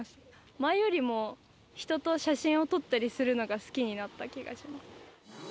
前よりも、人と写真を撮ったりするのが好きになった気がします。